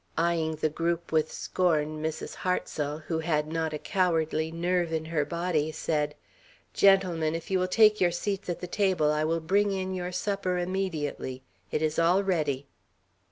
Eyeing the group with scorn, Mrs. Hartsel, who had not a cowardly nerve in her body, said: "Gentlemen, if you will take your seats at the table, I will bring in your supper immediately. It is all ready."